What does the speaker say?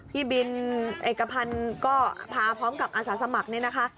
พี่บินเอกพันธ์ก็พาพร้อมกับอาสาสมัครเนี่ยนะคะ